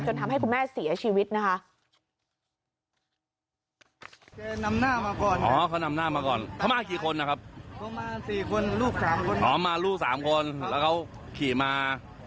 ทำให้คุณแม่เสียชีวิตนะคะ